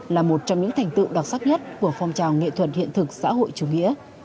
là một trong những thành tựu đặc sắc nhất của phong trào nghệ thuật hiện thực xã hội chủ nghĩa